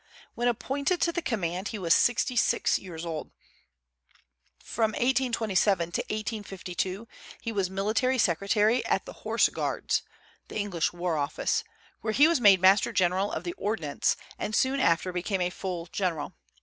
When appointed to the command he was sixty six years old. From 1827 to 1852 he was military secretary at the Horse Guards, the English War Office, where he was made master general of the Ordnance, and soon after became a full general.